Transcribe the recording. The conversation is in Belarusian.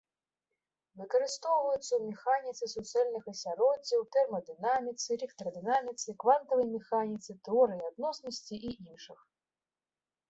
Выкарыстоўваюцца ў механіцы суцэльных асяроддзяў, тэрмадынаміцы, электрадынаміцы, квантавай механіцы, тэорыі адноснасці і іншых.